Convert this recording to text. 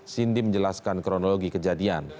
cindy menjelaskan kronologi kejadian